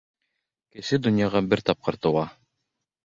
Кеше донъяға бер тапҡыр тыуа.